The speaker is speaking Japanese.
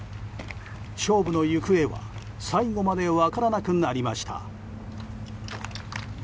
勝負の行方は最後まで分からなくなりました。